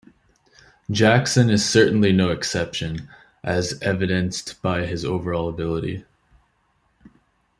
Jackson is certainly no exception, as evidenced by his overall ability.